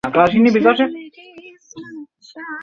তবে অধিকাংশ ইতিহাসবিদদের ধারণা তিনি অবশ্যই সাহাবাদের অন্তর্ভুক্ত।